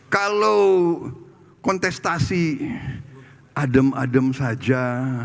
kalau kontestasi adem adem saja